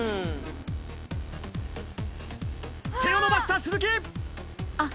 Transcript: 手を伸ばした鈴木！